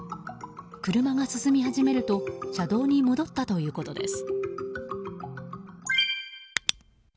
車が進み始めると車道に戻ったということです。